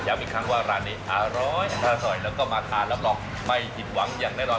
อีกครั้งว่าร้านนี้อร้อยอร่อยแล้วก็มาทานรับรองไม่ผิดหวังอย่างแน่นอน